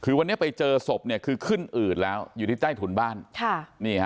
คือวันนี้ไปเจอศพเนี่ยคือขึ้นอืดแล้วอยู่ที่ใต้ถุนบ้านค่ะนี่ฮะ